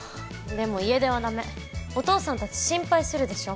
でも家出はダメお父さん達心配するでしょ